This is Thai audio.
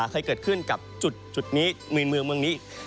เคยเกิดขึ้นกับจุดนี้ในเมืองเมืองนี้